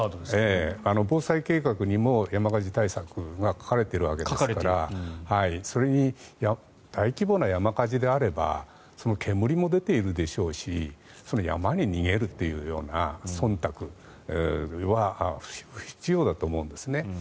防災計画にも山火事対策が書かれているわけですからそれに大規模な山火事であれば煙も出ているでしょうし山に逃げるというそんたくは不必要だと思うんですね。